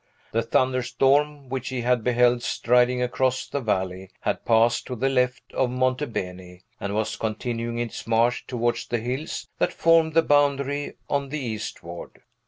The thunder storm, which he had beheld striding across the valley, had passed to the left of Monte Beni, and was continuing its march towards the hills that formed the boundary on the eastward.